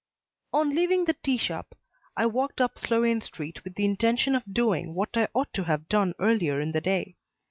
On leaving the tea shop, I walked up Sloane Street with the intention of doing what I ought to have done earlier in the day.